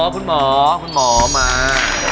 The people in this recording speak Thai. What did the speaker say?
คุณหมอมา